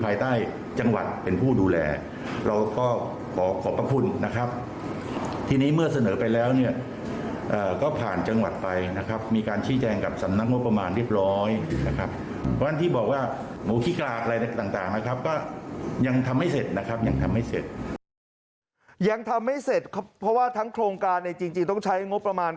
ยังทำไม่เสร็จครับเพราะว่าทั้งโครงการในจริงต้องใช้งบประมาณ